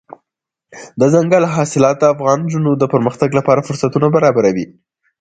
دځنګل حاصلات د افغان نجونو د پرمختګ لپاره فرصتونه برابروي.